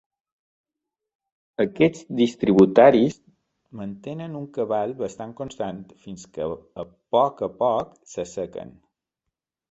Aquests distributaris mantenen un cabal bastant constant fins que a poc a poc s'assequen.